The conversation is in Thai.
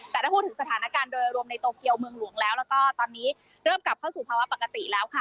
แต่ถ้าพูดถึงสถานการณ์โดยรวมในโตเกียวเมืองหลวงแล้วแล้วก็ตอนนี้เริ่มกลับเข้าสู่ภาวะปกติแล้วค่ะ